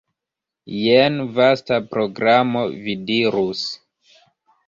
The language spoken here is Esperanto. Jen vasta programo, vi dirus.